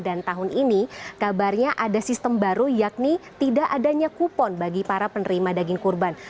dan tahun ini kabarnya ada sistem baru yakni tidak adanya kupon bagi para penerima daging kurban